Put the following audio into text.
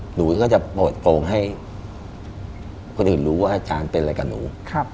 หนูก็จะเปิดโปรงให้คนอื่นรู้ว่าอาจารย์เป็นอะไรกับหนู